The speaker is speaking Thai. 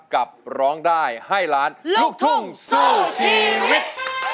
ร้องได้ให้ล้านลูกทุ่งสู้ชีวิต